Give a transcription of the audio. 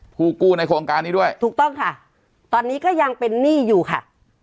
ผู้กู้ในโครงการนี้ด้วยถูกต้องค่ะตอนนี้ก็ยังเป็นหนี้อยู่ค่ะ